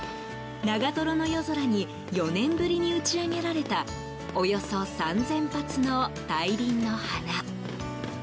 長瀞の夜空に４年ぶりに打ち上げられたおよそ３０００発の大輪の花。